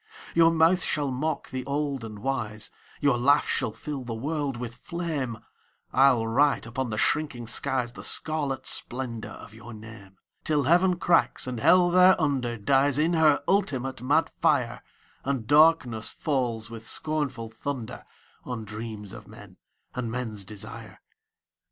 Your mouth shall mock the old and wise, Your laugh shall fill the world with flame, I'll write upon the shrinking skies The scarlet splendour of your name, Till Heaven cracks, and Hell thereunder Dies in her ultimate mad fire, And darkness falls, with scornful thunder, On dreams of men and men's desire.